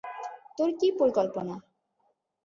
তোর কী পরিকল্পনা?